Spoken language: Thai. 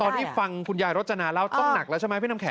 ที่ฟังคุณยายรจนาเล่าต้องหนักแล้วใช่ไหมพี่น้ำแ